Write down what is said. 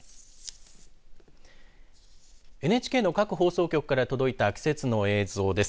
ＮＨＫの各放送局から届いた季節の映像です。